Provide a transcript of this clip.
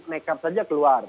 nekat saja keluar